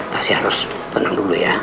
pasti harus tenang dulu ya